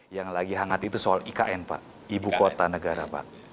yang lagi hangat itu soal ikn pak ibu kota negara pak